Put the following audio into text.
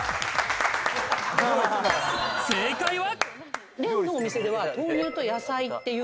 正解は。